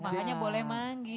makanya boleh manggil